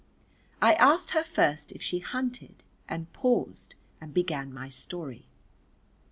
I asked her first if she hunted, and paused and began my story.